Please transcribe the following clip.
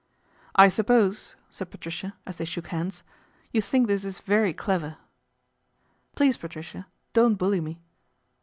" I suppose," said Patricia as they shook hands, " you think this is very clever." " Please, Patricia, don't bully me."